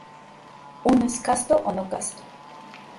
Uno es casto o no casto.